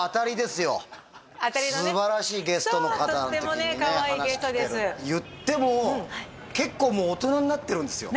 すばらしいゲストの方の時にねお話聞ける言っても結構もう大人になってるんですよ